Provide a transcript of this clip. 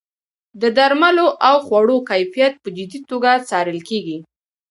د درملو او خوړو کیفیت په جدي توګه څارل کیږي.